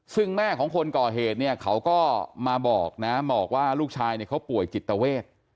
ซึ่งแม่ของคนก่อเหตุเนี่ยเขาก็มาบอกนะบอกว่าลูกชายเนี่ยเขาป่วยจิตเวท